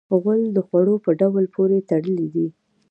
غول د خوړو په ډول پورې تړلی دی.